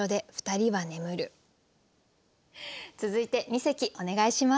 続いて二席お願いします。